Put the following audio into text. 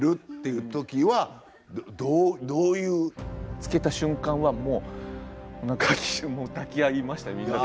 つけた瞬間はもうガチで抱き合いましたみんなで。